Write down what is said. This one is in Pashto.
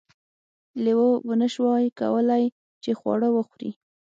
لیوه ونشوای کولی چې خواړه وخوري.